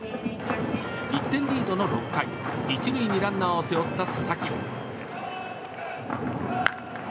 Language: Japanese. １点リードの６回１塁にランナーを背負った佐々木。